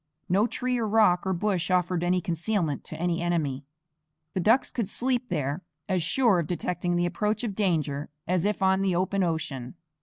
No tree or rock or bush offered any concealment to an enemy; the ducks could sleep there as sure of detecting the approach of danger as if on the open ocean.